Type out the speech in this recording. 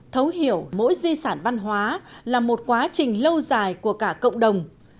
thấu hiểu mỗi di sản văn hóa là một quá trình lâu dài của cả cộng đồng